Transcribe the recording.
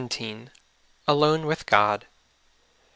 XVII. ALONE WITH GOD.